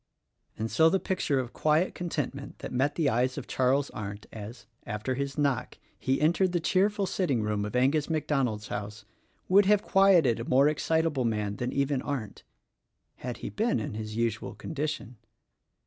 And so the picture of quiet contentment that met the eyes of Charles Arndt as, after his knock, he entered the cheerful sitting room of Angus MacDonald's house, would have quieted a more excitable man than even Arndt — had he been in his usual condition.